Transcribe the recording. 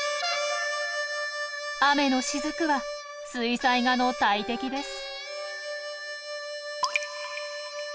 雨のしずくは水彩画の大敵です。